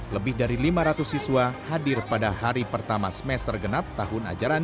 lebih dari lima ratus siswa hadir pada hari pertama semester genap tahun ajaran dua ribu dua puluh satu dua ribu dua puluh dua